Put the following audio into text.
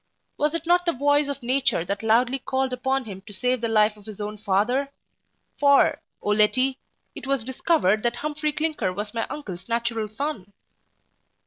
Was it not the voice of nature that loudly called upon him to save the life of his own father? for, 0 Letty, it was discovered that Humphry Clinker was my uncle's natural son.